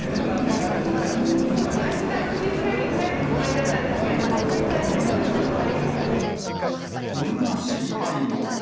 あしたのお昼ぐらいに帰るつもりだったんですけど、新幹線がこんな心配も。